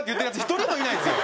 １人もいないですよ。